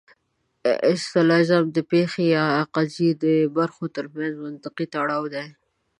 استلزام د پېښې یا قضیې د برخو ترمنځ منطقي تړاو دی.